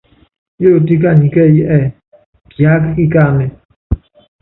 Yóótíe kani kɛ́ɛ́yí ɛ́ɛ́: Kiáká kikáánéé?